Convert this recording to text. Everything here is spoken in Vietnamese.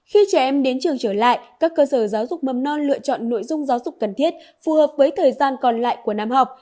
khi trẻ em đến trường trở lại các cơ sở giáo dục mầm non lựa chọn nội dung giáo dục cần thiết phù hợp với thời gian còn lại của năm học